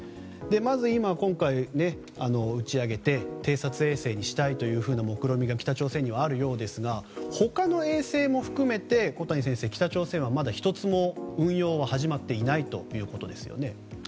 まず今今回打ち上げて偵察衛星にしたいという目論見が北朝鮮にはあるようですが他の衛星も含めて小谷先生、北朝鮮はまだ１つも運用は始まっていないということですよね。